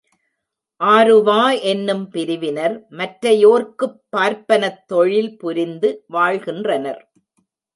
ஆருவா என்னும் பிரிவினர் மற்றையோர்க்குப் பார்ப்பனத் தொழில் புரிந்து வாழ்கின்றனர்.